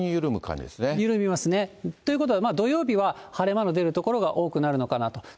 緩みますね。ということは土曜日は晴れ間の出る所が多くなるのかなと。